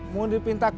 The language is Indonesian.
mau dipinta ke